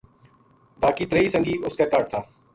باقی تریہی سنگی اس کے کاہڈ تھا